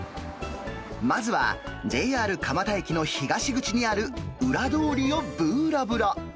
まずはＪＲ蒲田駅の東口にある裏通りをぶーらぶら。